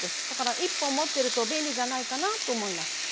だから１本持ってると便利じゃないかなと思います。